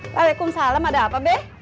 waalaikumsalam ada apa be